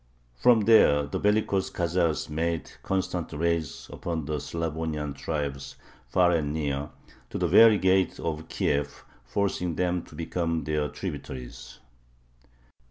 From there the bellicose Khazars made constant raids upon the Slavonian tribes far and near, to the very gates of Kiev, forcing them to become their tributaries.